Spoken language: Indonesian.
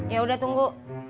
ya udah tunggu